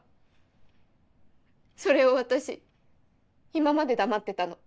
それを私今まで黙ってたの。